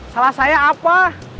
salah saya apa